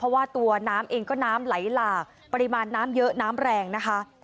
เพราะว่าตัวน้ำเองก็น้ำไหลหลากปริมาณน้ำเยอะน้ำแรงนะคะ